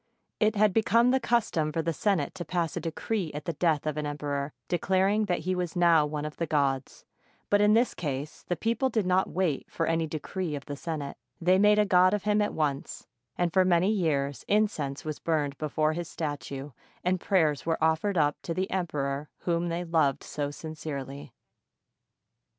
It had become the custom for the Senate to pass a decree at the death of an emperor, declaring that he was now one of the gods; but in this case the people did not wait for any decree of the Senate, — they made a god of him at once; and for many years incense was burned before his statue, and prayers were offered up to the emperor whom they loved so sincerely.